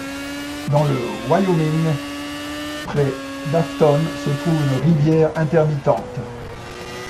Dans le Wyoming, près d'Afton se trouve une rivière intermittente.